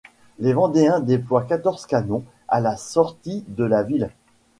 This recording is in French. Les Vendéens déploient quatorze canons à la sortie de la ville.